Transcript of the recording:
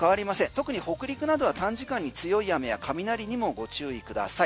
特に北陸などは短時間に強い雨や雷にもご注意ください。